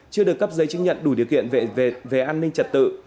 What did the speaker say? chưa được cấp giấy chứng nhận đủ điều kiện về an ninh trật tự